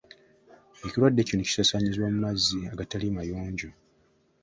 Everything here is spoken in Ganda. Ekirwadde kino kisaasaanyizibwa mu mazzi agatali mayonjo.